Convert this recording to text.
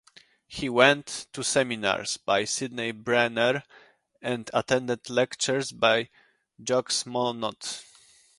He went to seminars by Sydney Brenner and attended lectures by Jacques Monod.